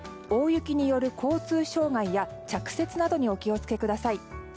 大雪による交通障害や着雪などにお気を付けください。